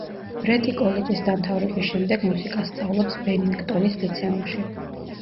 ბრეტი კოლეჯის დამთავრების შემდეგ მუსიკას სწავლობს ბენინგტონის ლიცეუმში.